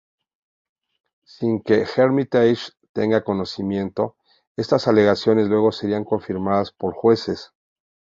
Sin que Hermitage tenga conocimiento, estas alegaciones luego serían confirmadas por jueces.